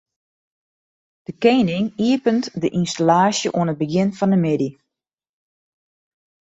De kening iepenet de ynstallaasje oan it begjin fan de middei.